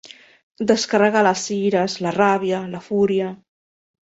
Descarregar les ires, la ràbia, la fúria.